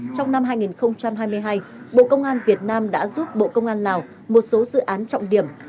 trong năm hai nghìn hai mươi hai bộ công an việt nam đã giúp bộ công an lào một số dự án trọng điểm